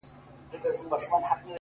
چي ستا به اوس زه هسي ياد هم نه يم _